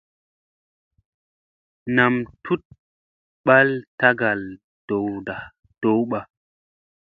Nam tuɗ ɓal tagal ɗowba.